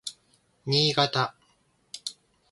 Niigata